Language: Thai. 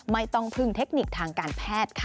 ไม่ต้องพึ่งเทคนิคทางการแพทย์ค่ะ